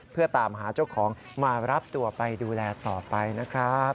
เพื่อตามหาเจ้าของมารับตัวไปดูแลต่อไปนะครับ